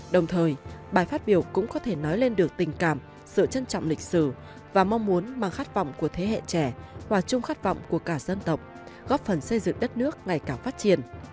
đồng thời bài phát biểu cũng có thể nói lên được tình cảm sự trân trọng lịch sử và mong muốn mang khát vọng của thế hệ trẻ hòa chung khát vọng của cả dân tộc góp phần xây dựng đất nước ngày càng phát triển